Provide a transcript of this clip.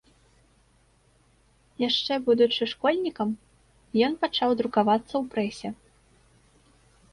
Яшчэ будучы школьнікам, ён пачаў друкавацца ў прэсе.